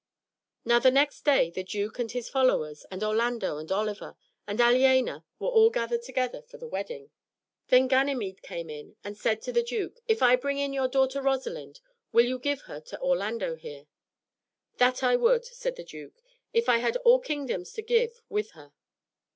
Now the next day the duke and his followers, and Orlando, and Oliver, and Aliena, were all gathered together for the wedding. Then Ganymede came in and said to the duke, "If I bring in your daughter Rosalind, will you give her to Orlando here?" "That I would," said the duke, "if I had all kingdoms to give with her."